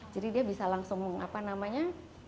jadi dia bisa langsung apa namanya